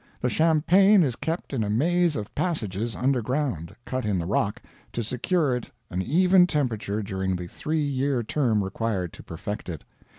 The champagne is kept in a maze of passages under ground, cut in the rock, to secure it an even temperature during the three year term required to perfect it.